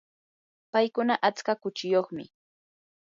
paykuna atska kuchiyuqmi.